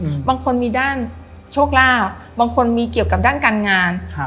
อืมบางคนมีด้านโชคลาภบางคนมีเกี่ยวกับด้านการงานครับ